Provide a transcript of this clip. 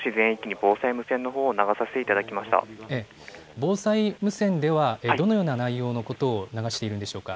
防災無線ではどのような内容のことを流しているんでしょうか。